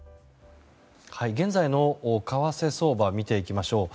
現在の為替相場を見ていきましょう。